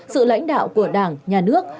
sự lãnh đạo của đảng nhà nước